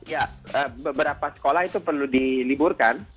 ya beberapa sekolah itu perlu diliburkan